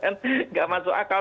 nggak masuk akal